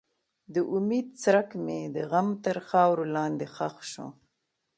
د امید څرک مې د غم تر خاورو لاندې ښخ شو.